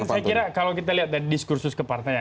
dan saya kira kalau kita lihat dari diskursus kepartai